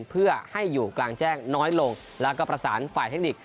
เพื่อให้อยู่กลางแจ้งน้อยลงแล้วก็ประสานฝ่ายเทคนิค